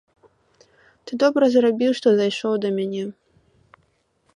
Ты добра зрабіў, што зайшоў да мяне.